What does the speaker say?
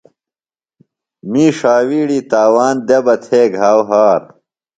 می ݜاوِیڑی تاوان دےۡ بہ تھے گھاؤ ہار۔